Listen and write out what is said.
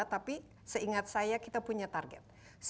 tapi seingat saya kita punya target